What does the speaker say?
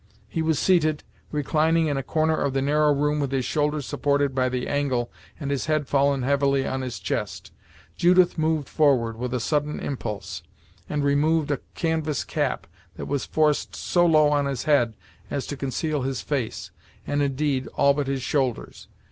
He was seated, reclining in a corner of the narrow room with his shoulders supported by the angle, and his head fallen heavily on his chest. Judith moved forward with a sudden impulse, and removed a canvass cap that was forced so low on his head as to conceal his face, and indeed all but his shoulders.